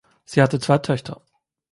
Sie hatte zwei Töchter.